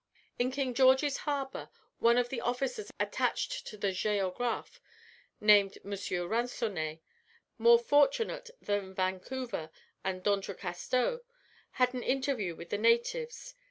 In King George's Harbour one of the officers attached to the Géographe, named M. Ransonnet, more fortunate than Vancouver and D'Entrecasteaux, had an interview with the natives.